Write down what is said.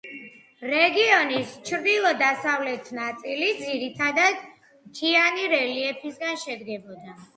რეგიონის ჩრდილო-დასავლეთ ნაწილი ძირითადათ მთიანი რელიეფისგან შედგებოდა.